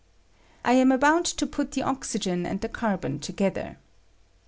I am about to put the oxygen and the carbon together.